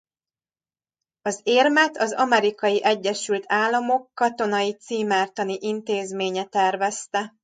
Az érmet az Amerikai Egyesült Államok Katonai Címertani Intézménye tervezte.